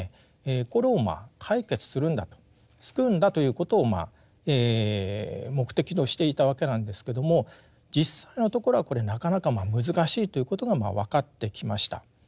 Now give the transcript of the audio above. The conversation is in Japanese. これを解決するんだと救うんだということを目的としていたわけなんですけども実際のところはこれなかなか難しいということが分かってきました。